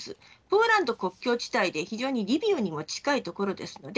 ポーランド国境地帯でリビウにも近いところです。